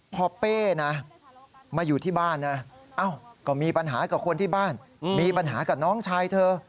พอเป้นะมาอยู่ที่บ้านนะก็มีปัญหากับคนที่บ้านมีปัญหากับน้องชายเธอ